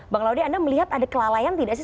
bang laude anda melihat ada kelalaian tidak sih